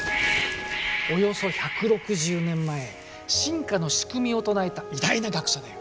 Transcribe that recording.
およそ１６０年前進化のしくみを唱えた偉大な学者だよ。